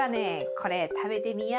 これ食べてみや。